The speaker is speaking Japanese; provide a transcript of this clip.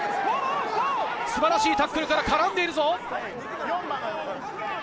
素晴らしいタックルから絡んでいるぞ。